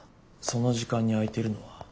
その時間に空いてるのは。